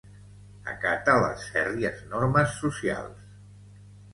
Acata les fèrries normes socials.